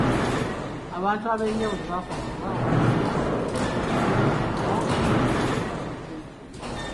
Abantu ab'enjawulo baakwatibwa oluvannyuma lw'okukuba amayinza emmotoka za pulezidenti.